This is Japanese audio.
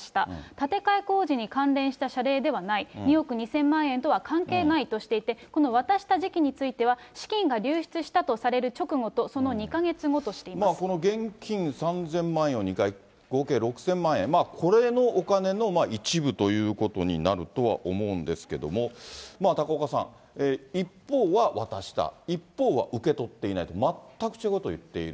建て替え工事に関連した謝礼ではない、２億２０００万円とは関係ないとしていて、この渡した時期については、資金が流出したとされる直後と、そのこの現金３０００万円を２回、合計６０００万円、これのお金の一部ということになるとは思うんですけども、高岡さん、一方は渡した、一方は受け取っていないと、全く違うことを言っている。